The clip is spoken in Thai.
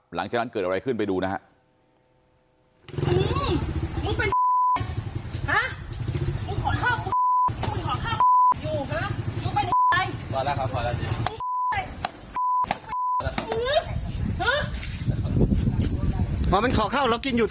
หลังจากนั้นเกิดอะไรขึ้นไปดูนะฮะ